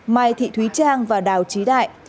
mai thị thúy trang và đào trí đại